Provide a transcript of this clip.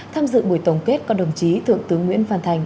tham dự buổi tổng kết có đồng chí thượng tướng nguyễn văn thành